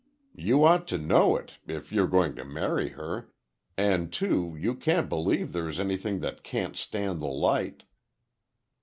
You ought to know it, if you're going to marry her—and too, you can't believe there's anything that can't stand the light."